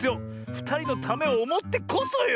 ふたりのためをおもってこそよ！